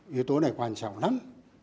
yếu tố này quan trọng lắm